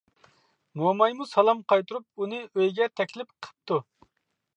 مومايمۇ سالام قايتۇرۇپ ئۇنى ئۆيگە تەكلىپ قىپتۇ.